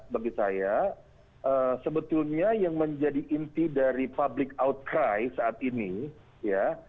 bagi saya sebetulnya yang menjadi inti dari public outcry saat ini ya